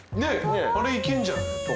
あれいけんじゃない？